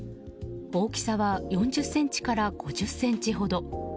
大きさは４０ｃｍから５０ｃｍほど。